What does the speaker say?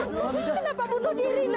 kenapa bunuh diri nak